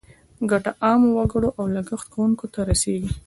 ګټه عامو وګړو او لګښت کوونکو ته رسیږي.